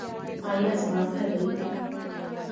ایا زغم لرئ؟